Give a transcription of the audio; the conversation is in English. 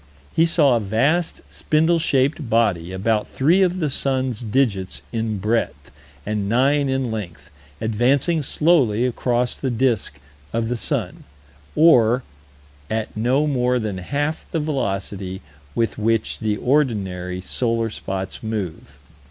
He saw a vast, spindle shaped body, about three of the sun's digits in breadth and nine in length, advancing slowly across the disk of the sun, or "at no more than half the velocity with which the ordinary solar spots move."